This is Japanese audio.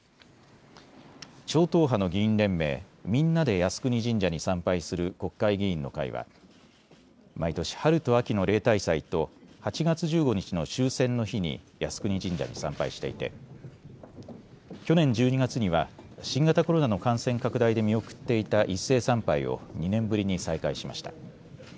超党派の議員連盟みんなで靖国神社に参拝する国会議員の会は毎年、春と秋の例大祭と８月１５日の終戦の日に靖国神社に参拝していて去年１２月には新型コロナの感染拡大で見送っていた一斉参拝を２年ぶりに再開しました。